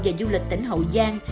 và du lịch tỉnh hậu giang